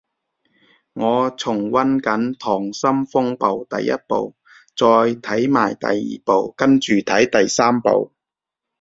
我重溫緊溏心風暴第一部，再睇埋第二部跟住睇第三部